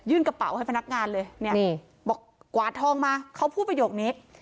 กระเป๋าให้พนักงานเลยเนี่ยนี่บอกกวาดทองมาเขาพูดประโยคนี้